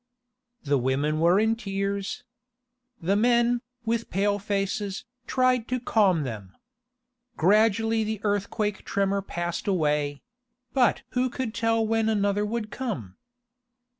The women were in tears. The men, with pale faces, tried to calm them. Gradually the earthquake tremor passed away; but who could tell when another would come?